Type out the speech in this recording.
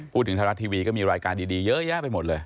พูดถึงธรรมดาทีวีก็มีรายการดีเยอะแยะไปหมดเลย